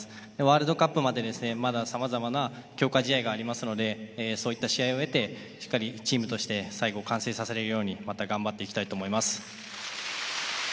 ワールドカップまで、さまざまな強化試合がありますので、そういった試合を経て、しっかりチームとして最後完成させられるように、また頑張っていきたいと思います。